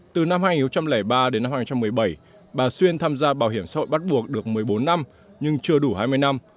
từ năm hai nghìn ba đến năm hai nghìn một mươi bảy bà xuyên tham gia bảo hiểm xã hội bắt buộc được một mươi bốn năm nhưng chưa đủ hai mươi năm